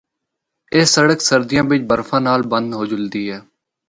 اے سڑک سردیاں بچ برفا نال بند ہو جلدی اے۔